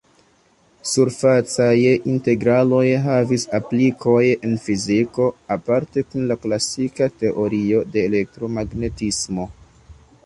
Surfacaj integraloj havi aplikoj en fiziko, aparte kun la klasika teorio de elektromagnetismo.